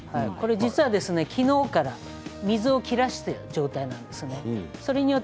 実は昨日から水を切らしている状態なんです。